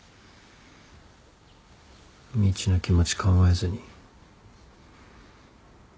みちの気持ち考えずに。